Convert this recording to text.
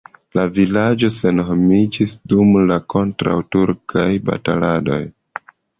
La vilaĝo senhomiĝis dum la kontraŭturkaj bataladoj.